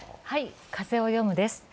「風をよむ」です。